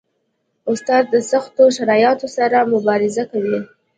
استاد د سختو شرایطو سره مبارزه کوي.